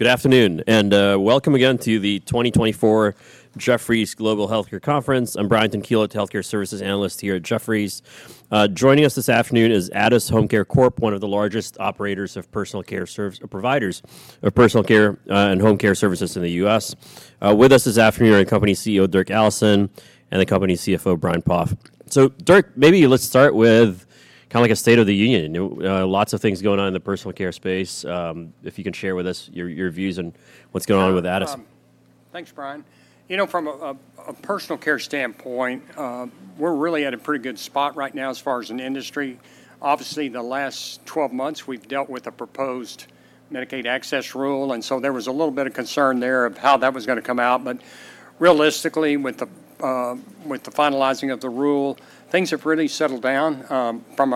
Good afternoon, and, welcome again to the 2024 Jefferies Global Healthcare Conference. I'm Brian Tanquilut, the healthcare services analyst here at Jefferies. Joining us this afternoon is Addus HomeCare Corp., one of the largest operators of personal care services providers of personal care, and home care services in the U.S. With us this afternoon are the company's CEO, Dirk Allison, and the company's CFO, Brian Poff. So Dirk, maybe let's start with kinda like a state of the union. You know, lots of things going on in the personal care space. If you can share with us your, your views on what's going on with Addus. Thanks, Brian. You know, from a personal care standpoint, we're really at a pretty good spot right now as far as an industry. Obviously, the last 12 months, we've dealt with a proposed Medicaid access rule, and so there was a little bit of concern there of how that was gonna come out. But realistically, with the finalizing of the rule, things have really settled down. From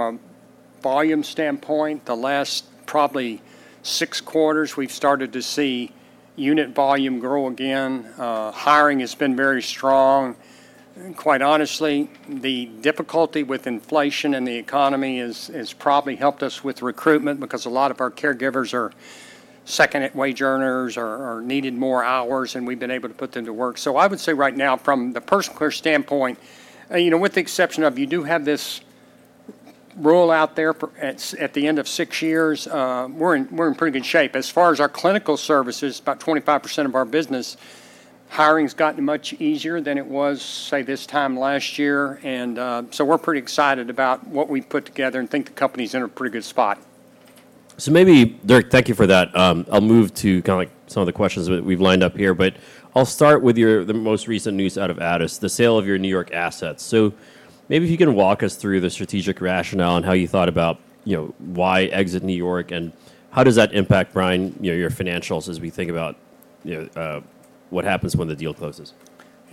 a volume standpoint, the last probably 6 quarters, we've started to see unit volume grow again. Hiring has been very strong. Quite honestly, the difficulty with inflation and the economy has probably helped us with recruitment because a lot of our caregivers are second wage earners or needed more hours, and we've been able to put them to work. So I would say right now from the personal care standpoint, you know, with the exception of you do have this rule out there but at the end of six years, we're in pretty good shape. As far as our clinical services, about 25% of our business, hiring's gotten much easier than it was, say, this time last year. So we're pretty excited about what we've put together and think the company's in a pretty good spot. So maybe, Dirk, thank you for that. I'll move to kinda like some of the questions that we've lined up here, but I'll start with your—the most recent news out of Addus, the sale of your New York assets. So maybe if you can walk us through the strategic rationale and how you thought about, you know, why exit New York, and how does that impact, Brian, you know, your financials as we think about, you know, what happens when the deal closes?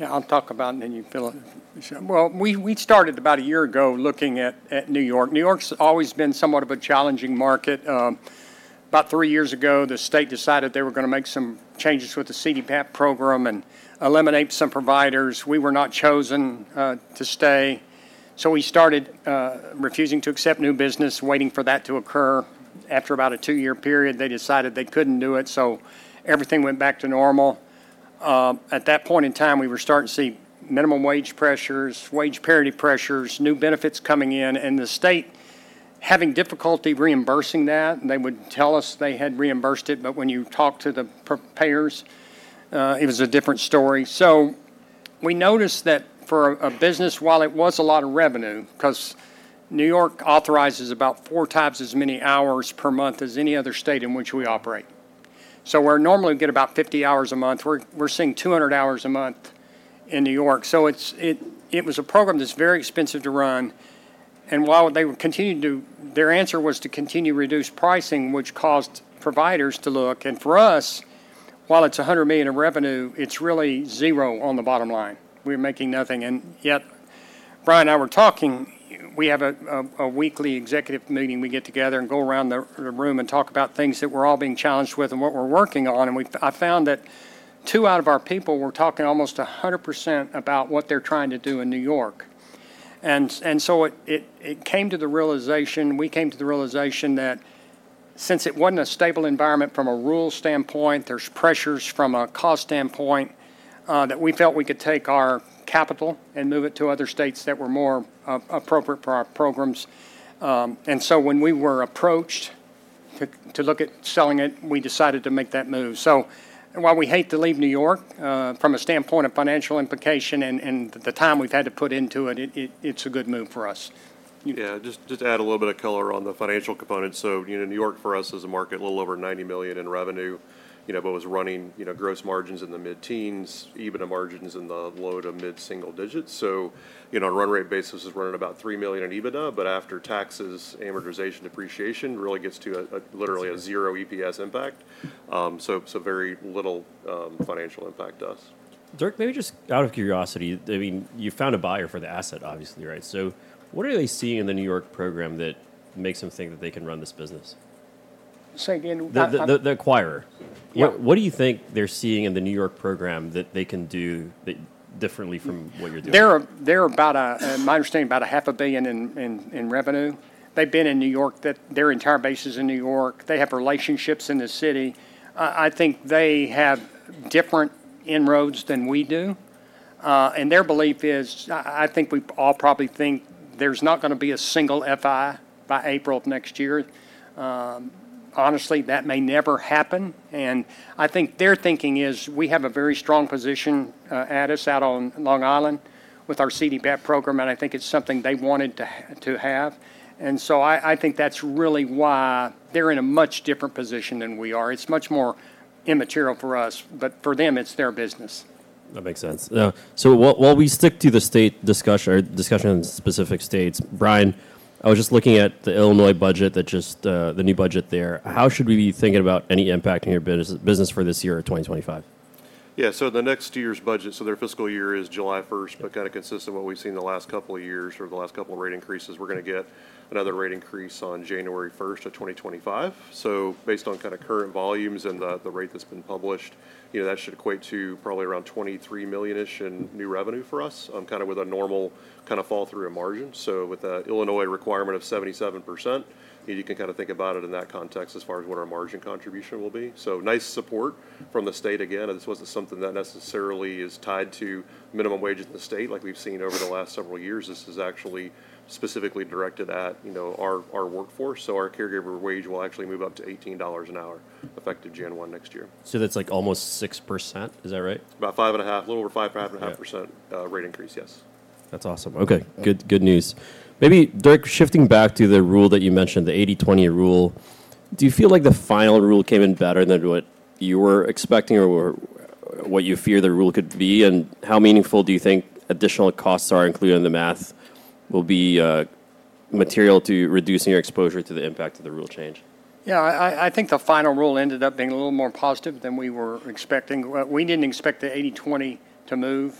Yeah, I'll talk about it, and then you fill in. Well, we started about a year ago looking at New York. New York's always been somewhat of a challenging market. About three years ago, the state decided they were gonna make some changes with the CDPAP program and eliminate some providers. We were not chosen to stay, so we started refusing to accept new business, waiting for that to occur. After about a two-year period, they decided they couldn't do it, so everything went back to normal. At that point in time, we were starting to see minimum wage pressures, wage parity pressures, new benefits coming in, and the state having difficulty reimbursing that. They would tell us they had reimbursed it, but when you talked to the payers, it was a different story. So we noticed that for a business, while it was a lot of revenue, 'cause New York authorizes about four times as many hours per month as any other state in which we operate. So where normally we get about 50 hours a month, we're seeing 200 hours a month in New York. So it was a program that's very expensive to run, and while they continued to... Their answer was to continue to reduce pricing, which caused providers to look, and for us, while it's $100 million in revenue, it's really zero on the bottom line. We're making nothing, and yet Brian and I were talking. We have a weekly executive meeting. We get together and go around the room and talk about things that we're all being challenged with and what we're working on, and I found that two out of our people were talking almost 100% about what they're trying to do in New York. And so it came to the realization, we came to the realization that since it wasn't a stable environment from a rule standpoint, there's pressures from a cost standpoint, that we felt we could take our capital and move it to other states that were more appropriate for our programs. And so when we were approached to look at selling it, we decided to make that move. While we hate to leave New York, from a standpoint of financial implication and the time we've had to put into it, it's a good move for us. Yeah, just to add a little bit of color on the financial component. So, you know, New York for us is a market a little over $90 million in revenue, you know, but was running, you know, gross margins in the mid-teens, EBITDA margins in the low to mid-single digits. So, you know, on a run rate basis, it's running about $3 million in EBITDA, but after taxes, amortization, depreciation, really gets to a literally a zero EPS impact. So very little financial impact to us. Dirk, maybe just out of curiosity, I mean, you found a buyer for the asset, obviously, right? So what are they seeing in the New York program that makes them think that they can run this business? Say again. The acquirer. Yeah. What, what do you think they're seeing in the New York program that they can do, that differently from what you're doing? They're about a, in my understanding, about $500 million in revenue. They've been in New York, that their entire base is in New York. They have relationships in the city. I think they have different inroads than we do, and their belief is... I think we all probably think there's not gonna be a single FI by April of next year. Honestly, that may never happen, and I think their thinking is we have a very strong position, at least out on Long Island with our CDPAP program, and I think it's something they wanted to have, and so I think that's really why they're in a much different position than we are. It's much more immaterial for us, but for them, it's their business. That makes sense. So while we stick to the state discussion on specific states, Brian, I was just looking at the Illinois budget that just the new budget there. How should we be thinking about any impact in your business for this year, 2025?... Yeah, so the next year's budget, so their fiscal year is July 1, but kinda consistent what we've seen the last couple of years or the last couple of rate increases, we're gonna get another rate increase on January 1, 2025. So based on kinda current volumes and the rate that's been published, you know, that should equate to probably around $23 million-ish in new revenue for us, kinda with a normal kinda fall through in margin. So with the Illinois requirement of 77%, you can kinda think about it in that context as far as what our margin contribution will be. So nice support from the state. Again, this wasn't something that necessarily is tied to minimum wage in the state, like we've seen over the last several years. This is actually specifically directed at, you know, our workforce. So our caregiver wage will actually move up to $18 an hour, effective January 1 next year. That's, like, almost 6%. Is that right? About 5.5, lower 5.5%. Yeah rate increase. Yes. That's awesome. Okay, good, good news. Maybe, Dirk, shifting back to the rule that you mentioned, the 80/20 rule, do you feel like the final rule came in better than what you were expecting or what you fear the rule could be? And how meaningful do you think additional costs are included in the math will be material to reducing your exposure to the impact of the rule change? Yeah, I think the final rule ended up being a little more positive than we were expecting. We didn't expect the 80/20 to move,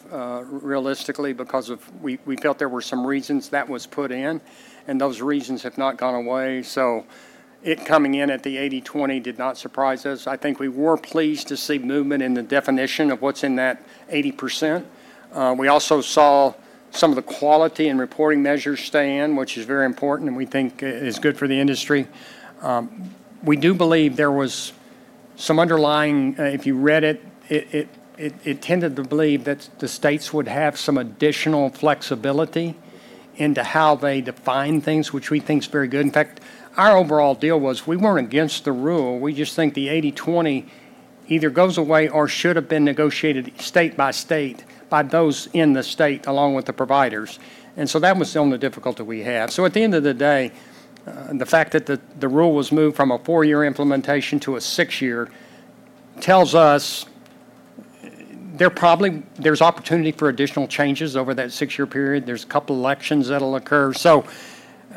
realistically, because we felt there were some reasons that was put in, and those reasons have not gone away. So it coming in at the 80/20 did not surprise us. I think we were pleased to see movement in the definition of what's in that 80%. We also saw some of the quality and reporting measures stay in, which is very important, and we think is good for the industry. We do believe if you read it, it tended to believe that the states would have some additional flexibility into how they define things, which we think is very good. In fact, our overall deal was we weren't against the rule. We just think the 80/20 either goes away or should have been negotiated state by state by those in the state, along with the providers. And so that was the only difficulty we had. So at the end of the day, the fact that the rule was moved from a 4-year implementation to a 6-year tells us there's opportunity for additional changes over that 6-year period. There's a couple elections that'll occur.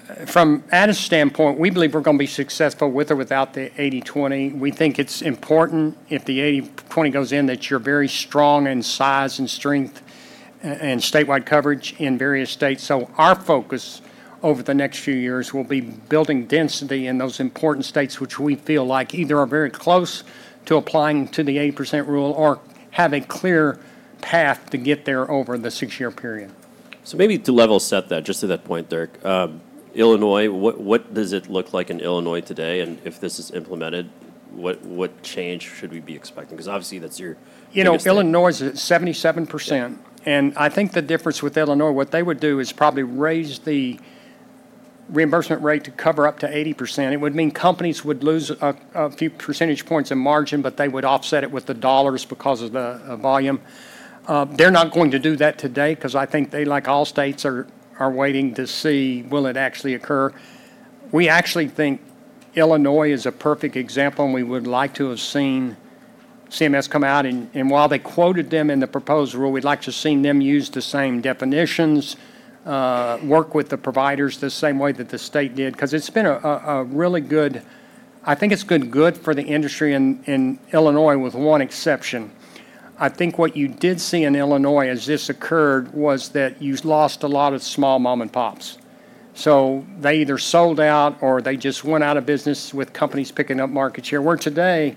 So from Addus' standpoint, we believe we're gonna be successful with or without the 80/20. We think it's important, if the 80/20 goes in, that you're very strong in size and strength and statewide coverage in various states. Our focus over the next few years will be building density in those important states, which we feel like either are very close to applying to the 80% rule or have a clear path to get there over the six-year period. So maybe to level set that, just to that point, Dirk, Illinois, what, what does it look like in Illinois today? And if this is implemented, what, what change should we be expecting? 'Cause obviously, that's your biggest- You know, Illinois is at 77%. Yeah. And I think the difference with Illinois, what they would do is probably raise the reimbursement rate to cover up to 80%. It would mean companies would lose a few percentage points in margin, but they would offset it with the dollars because of the volume. They're not going to do that today 'cause I think they, like all states, are waiting to see, will it actually occur? We actually think Illinois is a perfect example, and we would like to have seen CMS come out, and while they quoted them in the proposed rule, we'd like to have seen them use the same definitions, work with the providers the same way that the state did, 'cause it's been a really good-- I think it's been good for the industry in Illinois, with one exception. I think what you did see in Illinois as this occurred was that you lost a lot of small mom-and-pops. So they either sold out or they just went out of business with companies picking up market share, where today,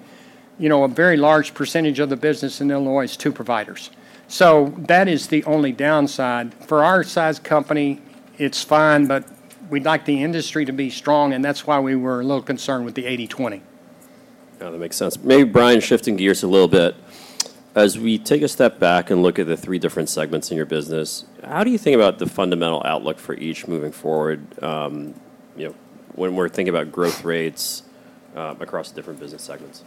you know, a very large percentage of the business in Illinois is two providers. So that is the only downside. For our size company, it's fine, but we'd like the industry to be strong, and that's why we were a little concerned with the 80/20. No, that makes sense. Maybe, Brian, shifting gears a little bit, as we take a step back and look at the three different segments in your business, how do you think about the fundamental outlook for each moving forward, you know, when we're thinking about growth rates, across different business segments?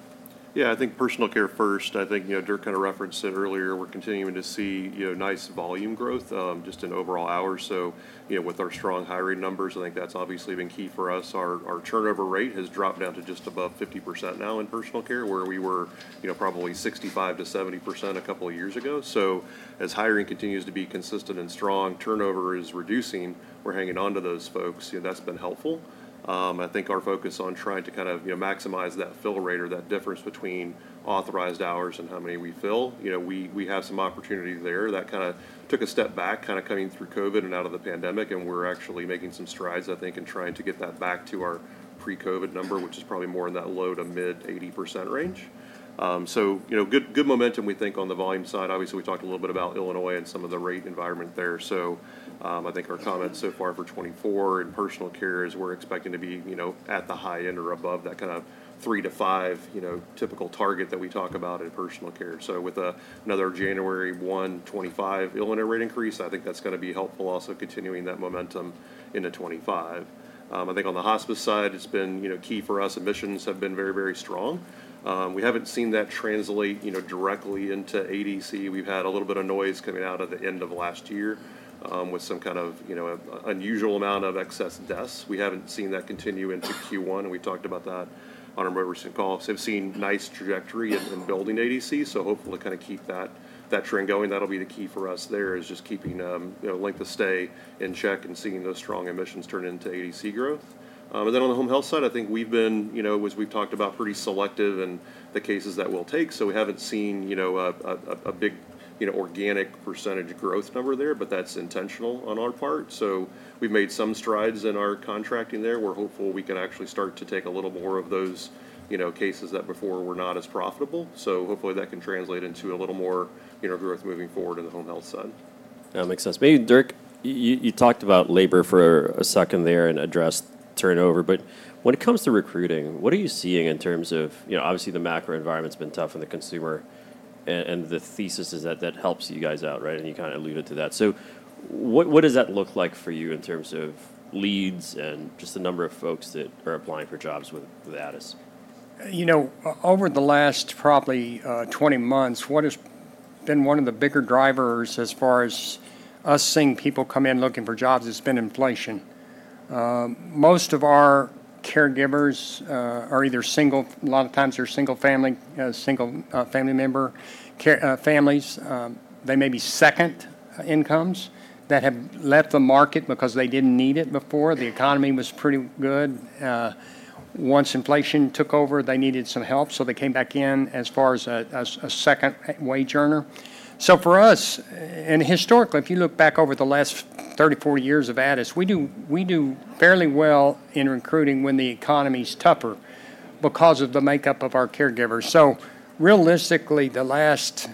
Yeah, I think personal care first. I think, you know, Dirk kind of referenced it earlier, we're continuing to see, you know, nice volume growth, just in overall hours. So, you know, with our strong hiring numbers, I think that's obviously been key for us. Our turnover rate has dropped down to just above 50% now in personal care, where we were, you know, probably 65%-70% a couple of years ago. So as hiring continues to be consistent and strong, turnover is reducing. We're hanging on to those folks, you know, that's been helpful. I think our focus on trying to kind of, you know, maximize that fill rate or that difference between authorized hours and how many we fill, you know, we have some opportunity there. That kinda took a step back, kinda coming through COVID and out of the pandemic, and we're actually making some strides, I think, in trying to get that back to our pre-COVID number, which is probably more in that low- to mid-80% range. So, you know, good, good momentum, we think, on the volume side. Obviously, we talked a little bit about Illinois and some of the rate environment there. So, I think our comments so far for 2024 in personal care is we're expecting to be, you know, at the high end or above that kind of 3-5, you know, typical target that we talk about in personal care. So with another January 1, 2025 Illinois rate increase, I think that's gonna be helpful, also continuing that momentum into 2025. I think on the hospice side, it's been, you know, key for us. Admissions have been very, very strong. We haven't seen that translate, you know, directly into ADC. We've had a little bit of noise coming out of the end of last year, with some kind of, you know, an unusual amount of excess deaths. We haven't seen that continue into Q1, and we've talked about that on our earnings call. So we've seen nice trajectory in building ADC, so hopefully kind of keep that trend going. That'll be the key for us there, is just keeping, you know, length of stay in check and seeing those strong admissions turn into ADC growth. And then on the home health side, I think we've been, you know, as we've talked about, pretty selective in the cases that we'll take. So we haven't seen, you know, a big, you know, organic percentage growth number there, but that's intentional on our part. So we've made some strides in our contracting there. We're hopeful we can actually start to take a little more of those, you know, cases that before were not as profitable. So hopefully, that can translate into a little more, you know, growth moving forward in the home health side.... That makes sense. Maybe Dirk, you, you talked about labor for a second there and addressed turnover, but when it comes to recruiting, what are you seeing in terms of, you know, obviously, the macro environment's been tough on the consumer, and, and the thesis is that that helps you guys out, right? And you kinda allude it to that. So what, what does that look like for you in terms of leads and just the number of folks that are applying for jobs with, with Addus? You know, over the last probably 20 months, what has been one of the bigger drivers as far as us seeing people come in looking for jobs, it's been inflation. Most of our caregivers are either single—a lot of times they're single family, single family member care, families. They may be second incomes that have left the market because they didn't need it before. The economy was pretty good. Once inflation took over, they needed some help, so they came back in as far as a, as a second wage earner. So for us, and historically, if you look back over the last 30, 40 years of Addus, we do, we do fairly well in recruiting when the economy's tougher because of the makeup of our caregivers. So realistically, the last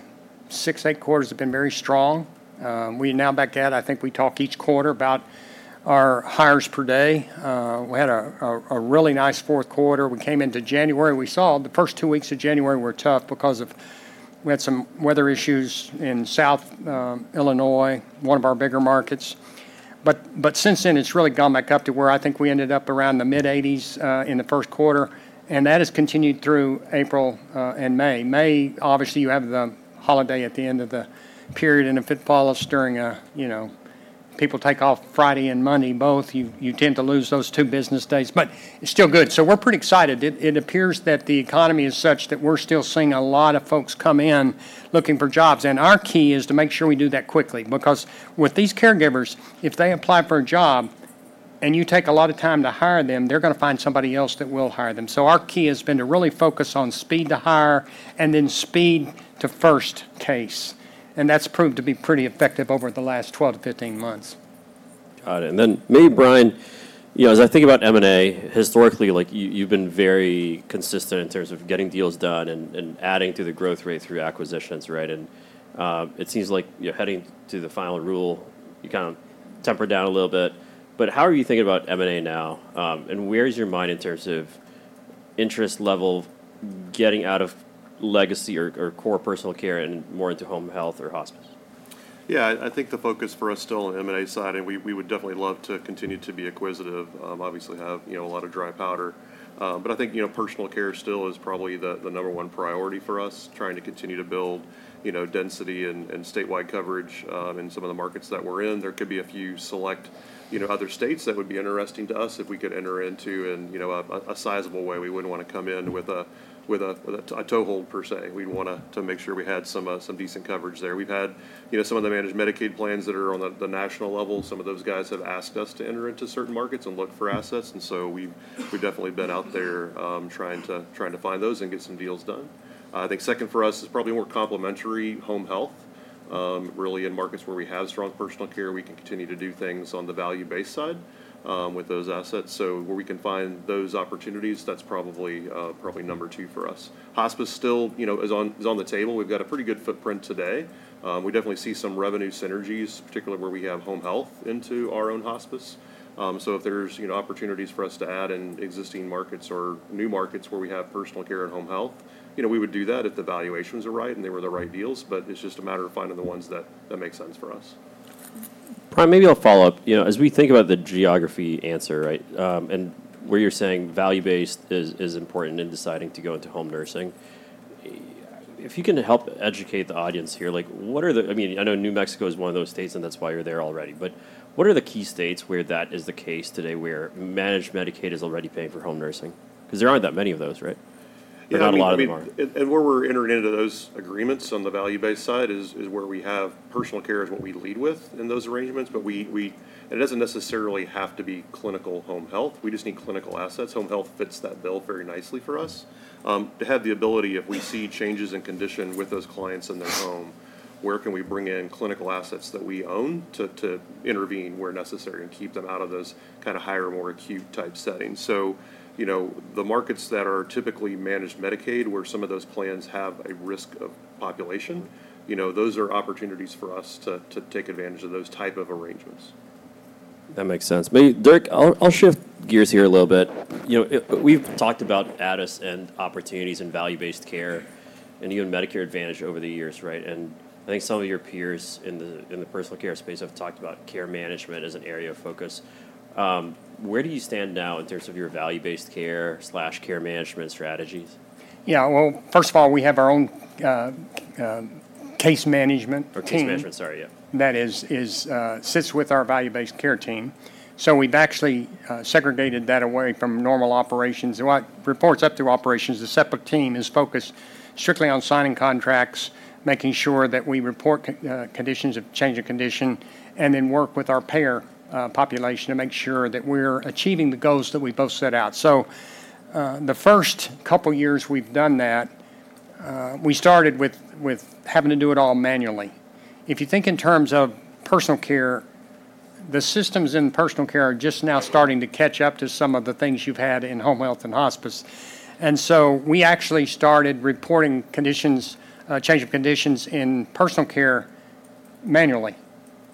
6, 8 quarters have been very strong. We now back at, I think we talk each quarter about our hires per day. We had a really nice fourth quarter. We came into January. We saw the first two weeks of January were tough because we had some weather issues in Southern Illinois, one of our bigger markets. But since then, it's really gone back up to where I think we ended up around the mid-80s in the first quarter, and that has continued through April and May. May, obviously, you have the holiday at the end of the period, and if it falls during a, you know, people take off Friday and Monday, both. You tend to lose those two business days, but it's still good. So we're pretty excited. It appears that the economy is such that we're still seeing a lot of folks come in looking for jobs. And our key is to make sure we do that quickly, because with these caregivers, if they apply for a job and you take a lot of time to hire them, they're gonna find somebody else that will hire them. So our key has been to really focus on speed to hire and then speed to first case, and that's proved to be pretty effective over the last 12-15 months. Got it, and then maybe, Brian, you know, as I think about M&A, historically, like, you, you've been very consistent in terms of getting deals done and, and adding to the growth rate through acquisitions, right? And, it seems like you're heading to the final rule. You kind of tempered down a little bit, but how are you thinking about M&A now? And where is your mind in terms of interest level, getting out of legacy or, or core personal care and more into home health or hospice? Yeah, I think the focus for us is still on the M&A side, and we would definitely love to continue to be acquisitive. Obviously, we have, you know, a lot of dry powder. But I think, you know, personal care still is probably the number one priority for us, trying to continue to build, you know, density and statewide coverage in some of the markets that we're in. There could be a few select, you know, other states that would be interesting to us if we could enter into them in, you know, a sizable way. We wouldn't want to come in with a toehold per se. We'd want to make sure we had some decent coverage there. We've had, you know, some of the managed Medicaid plans that are on the national level. Some of those guys have asked us to enter into certain markets and look for assets, and so we've definitely been out there, trying to find those and get some deals done. I think second for us is probably more complementary home health. Really, in markets where we have strong personal care, we can continue to do things on the value-based side, with those assets. So where we can find those opportunities, that's probably number two for us. Hospice still, you know, is on the table. We've got a pretty good footprint today. We definitely see some revenue synergies, particularly where we have home health into our own hospice. So if there's, you know, opportunities for us to add in existing markets or new markets where we have personal care and home health, you know, we would do that if the valuations are right and they were the right deals, but it's just a matter of finding the ones that make sense for us. Probably, maybe I'll follow up. You know, as we think about the geography answer, right? And where you're saying value-based is important in deciding to go into home nursing, if you can help educate the audience here, like, what are the—I mean, I know New Mexico is one of those states, and that's why you're there already, but what are the key states where that is the case today, where managed Medicaid is already paying for home nursing? Because there aren't that many of those, right? There are not a lot of them. I mean, and where we're entering into those agreements on the value-based side is where we have personal care is what we lead with in those arrangements, but it doesn't necessarily have to be clinical home health. We just need clinical assets. Home health fits that bill very nicely for us. To have the ability, if we see changes in condition with those clients in their home, where can we bring in clinical assets that we own to intervene where necessary and keep them out of those kinda higher, more acute type settings? So, you know, the markets that are typically managed Medicaid, where some of those plans have a risk of population, you know, those are opportunities for us to take advantage of those type of arrangements. That makes sense. Maybe, Dirk, I'll shift gears here a little bit. You know, we've talked about Addus and opportunities in value-based care and even Medicare Advantage over the years, right? And I think some of your peers in the personal care space have talked about care management as an area of focus. Where do you stand now in terms of your value-based care/care management strategies? Yeah, well, first of all, we have our own case management team- Case management, sorry, yeah. That sits with our value-based care team. So we've actually segregated that away from normal operations. What reports up through operations, the separate team is focused strictly on signing contracts, making sure that we report change of conditions, and then work with our payer population to make sure that we're achieving the goals that we both set out. So, the first couple of years we've done that, we started with having to do it all manually. If you think in terms of personal care. The systems in personal care are just now starting to catch up to some of the things you've had in home health and hospice. And so we actually started reporting conditions, change of conditions in personal care manually,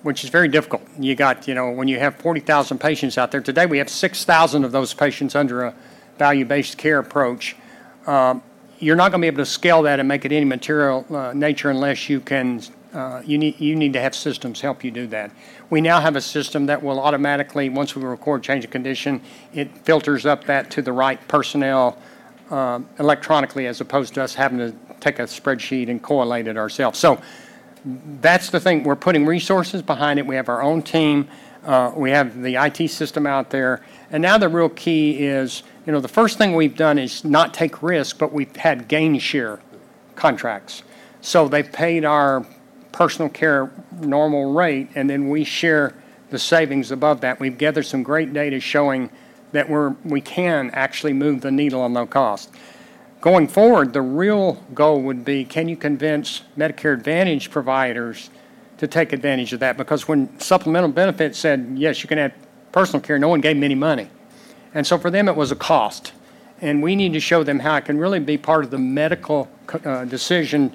which is very difficult. You got, you know, when you have 40,000 patients out there. Today, we have 6,000 of those patients under a value-based care approach. You're not gonna be able to scale that and make it any material nature unless you can you need, you need to have systems help you do that. We now have a system that will automatically, once we record change of condition, it filters up that to the right personnel electronically, as opposed to us having to take a spreadsheet and correlate it ourselves. So that's the thing. We're putting resources behind it. We have our own team. We have the IT system out there. And now, the real key is, you know, the first thing we've done is not take risk, but we've had gain share contracts. So they've paid our personal care normal rate, and then we share the savings above that. We've gathered some great data showing that we can actually move the needle on low cost. Going forward, the real goal would be: Can you convince Medicare Advantage providers to take advantage of that? Because when supplemental benefits said, "Yes, you can add personal care," no one gave them any money, and so for them, it was a cost. We need to show them how it can really be part of the medical decision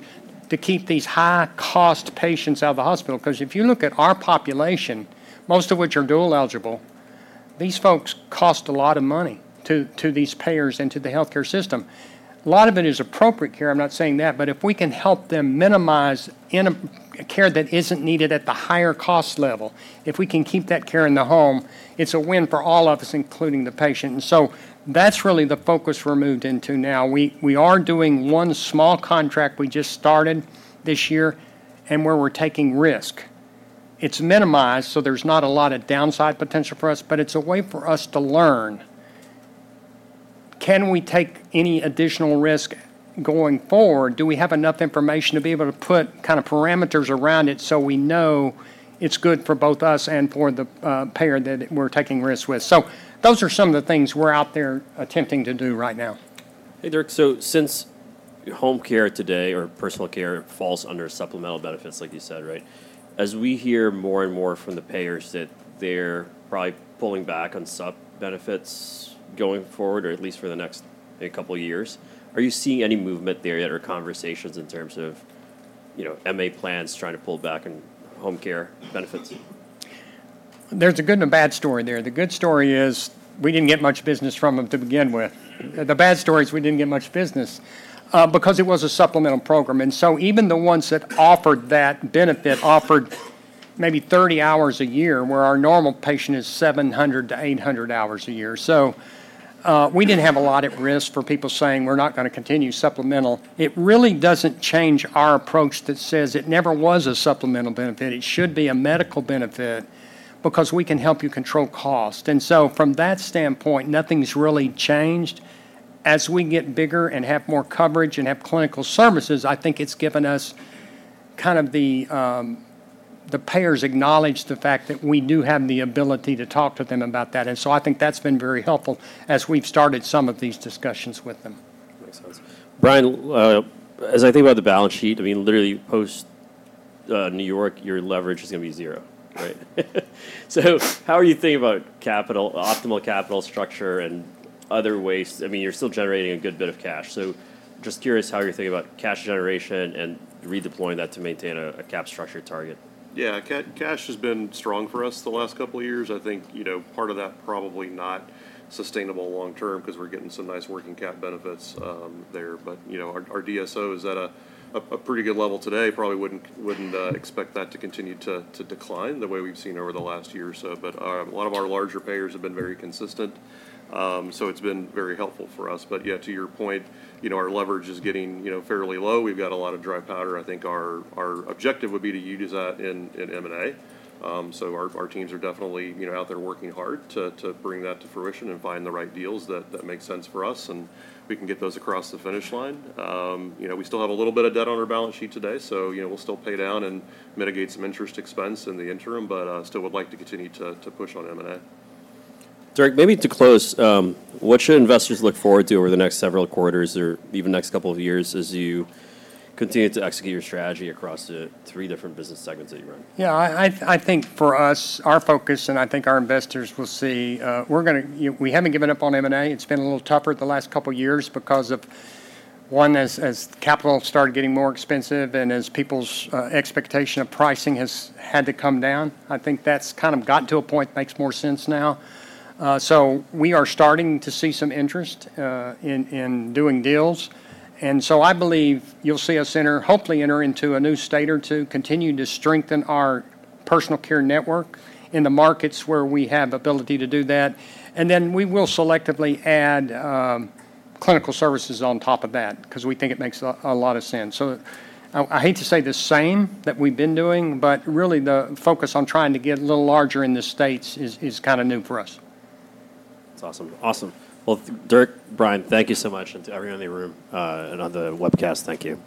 to keep these high-cost patients out of the hospital. 'Cause if you look at our population, most of which are dual eligible, these folks cost a lot of money to, to these payers and to the healthcare system. A lot of it is appropriate care, I'm not saying that, but if we can help them minimize inappropriate care that isn't needed at the higher cost level, if we can keep that care in the home, it's a win for all of us, including the patient. That's really the focus we've moved into now. We are doing one small contract we just started this year, and where we're taking risk. It's minimized, so there's not a lot of downside potential for us, but it's a way for us to learn. Can we take any additional risk going forward? Do we have enough information to be able to put kind of parameters around it so we know it's good for both us and for the payer that we're taking risks with? Those are some of the things we're out there attempting to do right now. Hey, Dirk. So since home care today or personal care falls under supplemental benefits, like you said, right? As we hear more and more from the payers that they're probably pulling back on sub benefits going forward, or at least for the next, maybe, couple of years, are you seeing any movement there yet or conversations in terms of, you know, MA plans trying to pull back on home care benefits? There's a good and a bad story there. The good story is we didn't get much business from them to begin with. The bad story is we didn't get much business because it was a supplemental program, and so even the ones that offered that benefit offered maybe 30 hours a year, where our normal patient is 700-800 hours a year. So, we didn't have a lot at risk for people saying: We're not gonna continue supplemental. It really doesn't change our approach that says it never was a supplemental benefit. It should be a medical benefit because we can help you control cost. And so from that standpoint, nothing's really changed. As we get bigger and have more coverage and have clinical services, I think it's given us kind of the... The payers acknowledge the fact that we do have the ability to talk to them about that, and so I think that's been very helpful as we've started some of these discussions with them. Makes sense. Brian, as I think about the balance sheet, I mean, literally, post New York, your leverage is gonna be zero, right? So how are you thinking about capital-optimal capital structure and other ways. I mean, you're still generating a good bit of cash, so just curious how you're thinking about cash generation and redeploying that to maintain a cap structure target. Yeah, cash has been strong for us the last couple of years. I think, you know, part of that probably not sustainable long term because we're getting some nice working cap benefits there. But, you know, our DSO is at a pretty good level today. Probably wouldn't expect that to continue to decline the way we've seen over the last year or so. But, a lot of our larger payers have been very consistent, so it's been very helpful for us. But yeah, to your point, you know, our leverage is getting, you know, fairly low. We've got a lot of dry powder. I think our objective would be to use that in M&A. So our teams are definitely, you know, out there working hard to bring that to fruition and find the right deals that make sense for us, and we can get those across the finish line. You know, we still have a little bit of debt on our balance sheet today, so, you know, we'll still pay down and mitigate some interest expense in the interim, but still would like to continue to push on M&A. Dirk, maybe to close, what should investors look forward to over the next several quarters or even next couple of years as you continue to execute your strategy across the three different business segments that you're in? Yeah, I think for us, our focus, and I think our investors will see, we're gonna—we haven't given up on M&A. It's been a little tougher the last couple of years because as capital started getting more expensive and as people's expectation of pricing has had to come down. I think that's kind of gotten to a point that makes more sense now. So we are starting to see some interest in doing deals, and so I believe you'll see us hopefully enter into a new state or two, continue to strengthen our personal care network in the markets where we have ability to do that, and then we will selectively add clinical services on top of that because we think it makes a lot of sense. So I hate to say the same that we've been doing, but really, the focus on trying to get a little larger in the States is kind of new for us. That's awesome. Awesome. Well, Dirk, Brian, thank you so much, and to everyone in the room, and on the webcast, thank you.